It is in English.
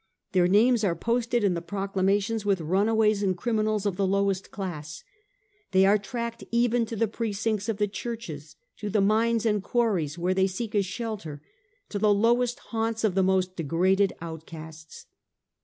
Their names are posted in the proclamations with runaways and criminals of the lowest class ; they are tracked even to the pre cincts of the churches, to the mines and quarries where they seek a shelter, to the lowest haunts of the most de graded outcasts.